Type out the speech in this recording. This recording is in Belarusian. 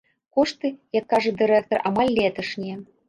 Кошты, як кажа дырэктар, амаль леташнія.